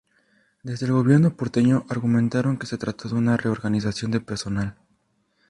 Desde el gobierno porteño argumentaron que se trató de una "reorganización de personal".